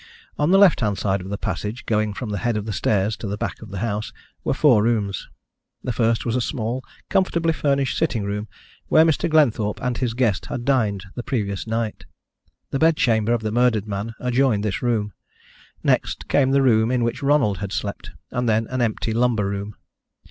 On the left hand side of the passage, going from the head of the stairs to the back of the house, were four rooms. The first was a small, comfortably furnished sitting room, where Mr. Glenthorpe and his guest had dined the previous night. The bed chamber of the murdered man adjoined this room. Next came the room in which Ronald had slept, and then an empty lumber room.